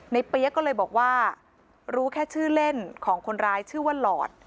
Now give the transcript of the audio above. เปี๊ยกก็เลยบอกว่ารู้แค่ชื่อเล่นของคนร้ายชื่อว่าหลอด